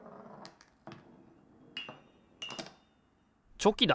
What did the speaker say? チョキだ！